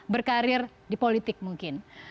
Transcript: berkarir di politik mungkin